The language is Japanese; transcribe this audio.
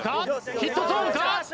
ヒットゾーンか？